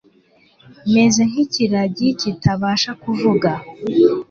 meze nk’ikiragi kitabasha kuvuga